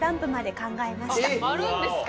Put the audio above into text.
あるんですか？